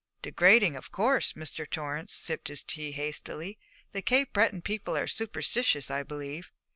'Degrading, of course.' Mr. Torrance sipped his tea hastily. 'The Cape Breton people are superstitious, I believe.'